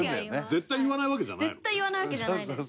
絶対言わないわけじゃないです。